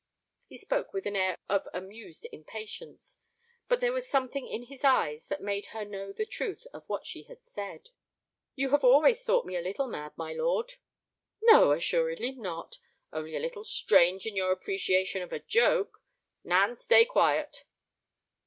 He spoke with an air of amused impatience, but there was something in his eyes that made her know the truth of what she had said. "You have always thought me a little mad, my lord." "No, assuredly not. Only a little strange in your appreciation of a joke. Nan, stay quiet."